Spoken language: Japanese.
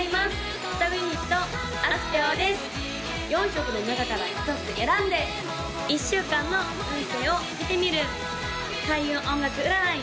４色の中から１つ選んで１週間の運勢を見てみる開運音楽占い